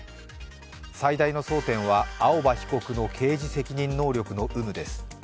最大の争点は青葉被告の刑事責任能力の有無です。